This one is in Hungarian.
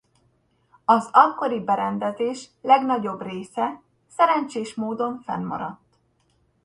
Az akkori berendezés legnagyobb része szerencsés módon fennmaradt.